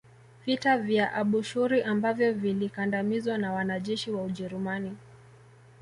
Vita vya Abushuri ambavyo vilikandamizwa na wanajeshi wa Ujerumani